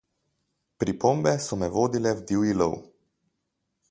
Pripombe so me vodile v divji lov.